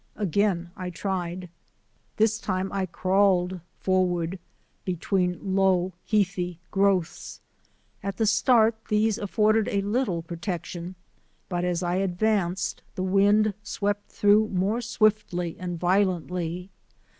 Again I tried. This time I crawled forward between low, heathy growths. At the start these afforded a little protection but as I advanced the wind swept through more swiftly and violently.